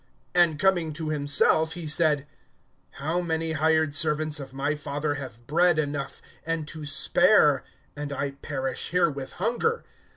(17)And coming to himself, he said: How many hired servants of my father have bread enough and to spare, and I perish here with hunger!